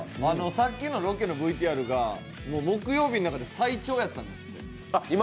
さっきのロケのＶＴＲが木曜日の中で最長だったんです。